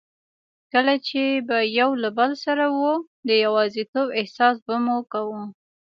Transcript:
کله چي به یو له بل سره وو، د یوازیتوب احساس به مو کاوه.